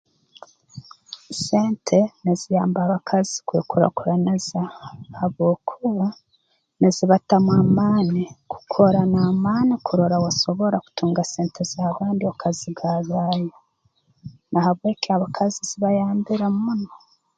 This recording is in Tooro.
Sente niziyamba abakazi kwekurakuraniza habwokuba nizibatamu amaani kukora n'amaani kurora wasobora kutunga sente z'abandi okazigarraayo na habweki abakazi zibayambire muno